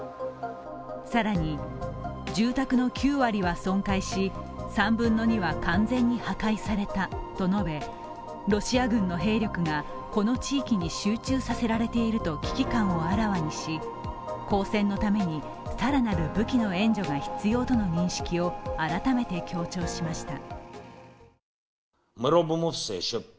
更に、住宅の９割は損壊し、３分の２は完全に破壊されたと述べ、ロシア軍の兵力がこの地域に集中させられていると危機感をあらわにし抗戦のために、更なる武器の援助が必要との認識を改めて強調しました。